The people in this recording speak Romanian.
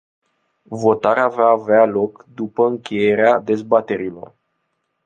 Votarea va avea loc după încheierea dezbaterilor.